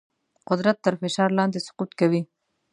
قدرت تر فشار لاندې سقوط کوي.